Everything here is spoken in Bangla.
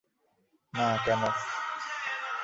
না, কেন?